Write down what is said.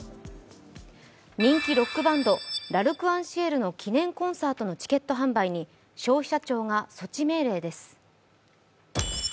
人気ロックバンドＬ’ＡｒｃｅｎＣｉｅｌの記念コンサートのチケット販売に消費者庁が措置命令です。